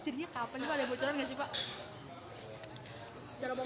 jadinya kapan pak ada bocoran nggak sih pak